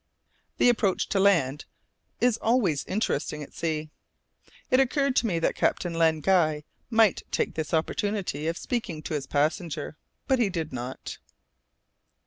The approach to land is always interesting at sea. It occurred to me that Captain Len Guy might take this opportunity of speaking to his passenger; but he did not.